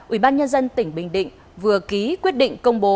ủy ban nhân dân tỉnh bình định vừa ký quyết định công bố